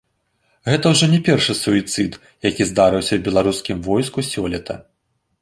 Гэта ўжо не першы суіцыд, які здарыўся ў беларускім войску сёлета.